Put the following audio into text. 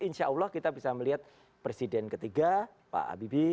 insya allah kita bisa melihat presiden ke tiga pak abibi